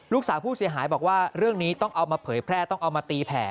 ลูกสาวผู้เสียหายบอกว่าเรื่องนี้ต้องเอามาเผยแพร่ต้องเอามาตีแผล